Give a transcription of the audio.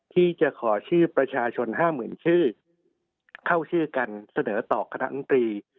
ที่จะขอชื่อประชาชน๕๐๐๐ชื่อเข้าชื่อกันเสนอต่อคณะมตรี